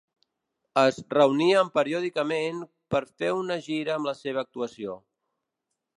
Es reunien periòdicament per fer una gira amb la seva actuació.